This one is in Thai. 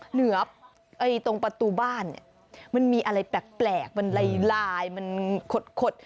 เหนือตรงประตูบ้านเนี่ยมันมีอะไรแปลกมันลายมันขด